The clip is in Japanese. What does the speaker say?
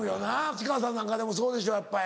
市川さんなんかでもそうでしょやっぱり。